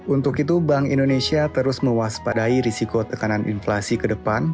untuk itu bank indonesia terus mewaspadai risiko tekanan inflasi ke depan